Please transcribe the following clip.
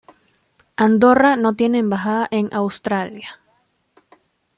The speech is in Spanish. Andorra no tiene embajada en Australia.